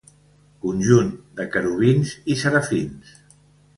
Conjunt de querubins i serafins.